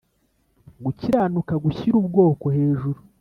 gukiranuka gushyira ubwoko hejuru